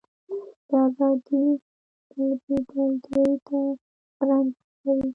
د ازادۍ سلبېدل دوی ته رنځ ورکوي.